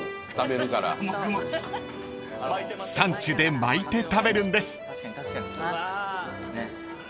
［サンチュで巻いて食べるんです］